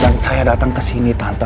dan saya datang ke sini tante